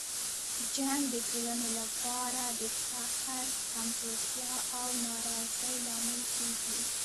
جنګ د ټولنې لپاره د فقر، کمزورتیا او ناراضۍ لامل کیږي.